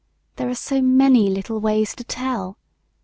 There are so many little ways to tell!